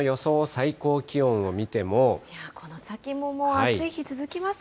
最高気温を見この先ももう暑い日続きます